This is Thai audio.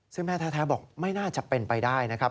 ซึ่งแม่แท้บอกไม่น่าจะเป็นไปได้นะครับ